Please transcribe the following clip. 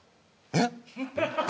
えっ！？